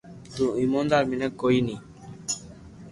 تو ايموندار مينک ڪوئي ني